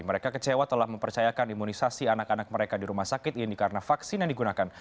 mereka kecewa telah mempercayakan imunisasi anak anak mereka di rumah sakit ini karena vaksin yang digunakan